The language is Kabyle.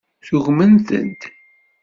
Tugmemt-d.